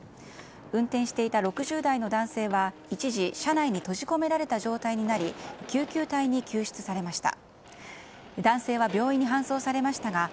運転していた６０代の男性は一時、車内に閉じ込められた状態になり救急隊員に救出されました。